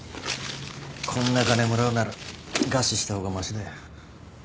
こんな金もらうなら餓死した方がましだよ。